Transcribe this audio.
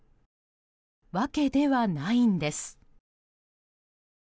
わけではないんです。